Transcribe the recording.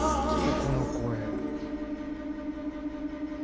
この声。